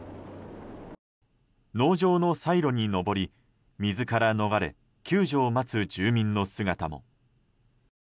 農場のサイロに上り水から逃れ救助を待つ住民の姿も。